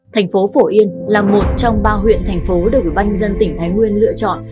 thành phố phổ yên là một trong ba huyện thành phố được banh dân tỉnh thái nguyên lựa chọn